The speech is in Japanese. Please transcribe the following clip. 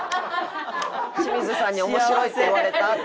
清水さんに面白いって言われたっていう。